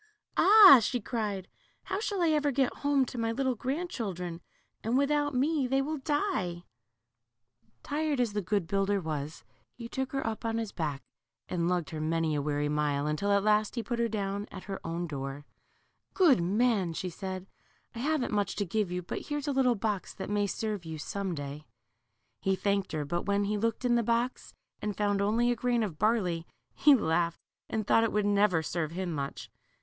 Ah," she cried, how shall I ever get home to my little grandchildren ! and without me they will 124 LITTLE CURLY, die !" Tired as the good builder was, he took her up on his back, and lugged her many a weary mile, until at last he put her down at her own door. Good man," said she, haven't much to give y^>u, but here's a little box that may serve you some day." He thanked her, but when he looked in the box and found only a grain of barley, he laughed and thought it would never serve him much.